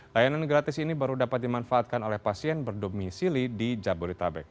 layanan gratis ini baru dapat dimanfaatkan oleh pasien berdomisili di jabodetabek